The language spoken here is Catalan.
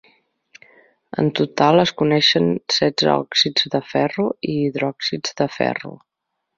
En total, es coneixen setze òxids de ferro i hidròxids de ferro.